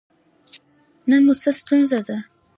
نن مو څه ستونزه ده؟